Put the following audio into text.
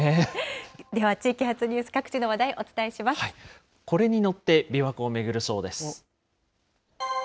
では地域発ニュース、各地の話題、これに乗ってびわ湖を巡るそうです。